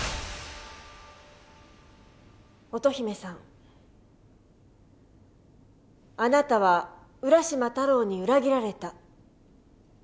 乙姫さんあなたは浦島太郎に裏切られた。